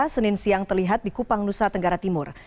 senin siang terlihat di kupang nusa tenggara timur